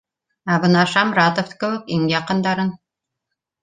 Ә бына Шамратов кеүек иң яҡындарын